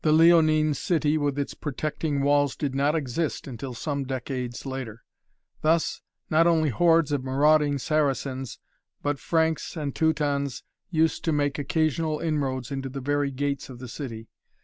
The Leonine city with its protecting walls did not exist until some decades later. Thus, not only hordes of marauding Saracens, but Franks and Teutons used to make occasional inroads to the very gates of the city.